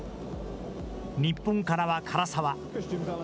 日本からは唐澤。